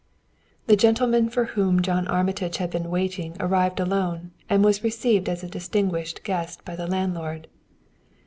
The gentleman for whom John Armitage had been waiting arrived alone, and was received as a distinguished guest by the landlord.